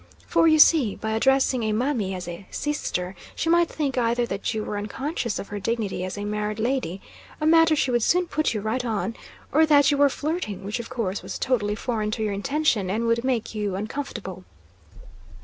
For, you see, by addressing a mammy as seester, she might think either that you were unconscious of her dignity as a married lady a matter she would soon put you right on or that you were flirting, which of course was totally foreign to your intention, and would make you uncomfortable.